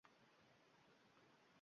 Eshik ochilib, ostonada Basida ko‘rindi